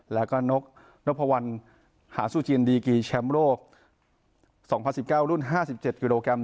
แล้วก็นกนกพะวันหาสู้จีนดีกรีแชมป์โลกสองพันสิบเก้ารุ่นห้าสิบเจ็ดยูโรกรัม